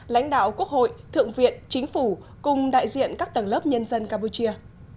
lãnh đạo quốc hội thượng viện chính phủ cùng đại diện các tầng lớp nhân dân campuchia